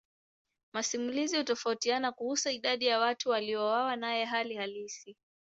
Masimulizi hutofautiana kuhusu idadi ya watu waliouawa naye hali halisi.